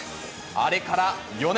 あれから４年。